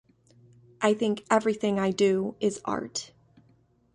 I think everything I do is art.